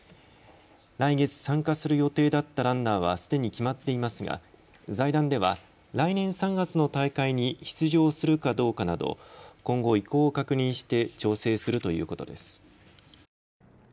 来月参加する予定だったランナーはすでに決まっていますが財団では来年３月の大会に出場するかどうかなど今後、意向を確認して調整するということです。